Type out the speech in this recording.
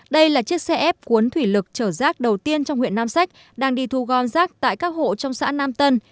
đây là chiếc xe ép cuốn thủy lực chở rác đầu tiên trong huyện nam sách đang đi thu gom rác tại các hộ trong xã nam tân